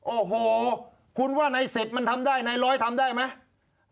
โอ้โหคุณว่าในเสร็จมันทำได้ในร้อยทำได้ไหม